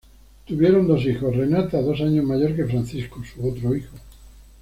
Tuvieron dos hijos; Renata, dos años mayor que Francisco, su otro hijo.